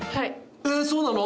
えそうなの？